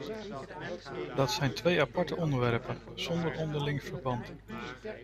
Dat zijn twee aparte onderwerpen zonder onderling verband.